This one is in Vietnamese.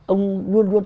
ông luôn luôn tôn trọng